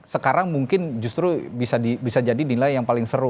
sekarang mungkin justru bisa jadi nilai yang paling seru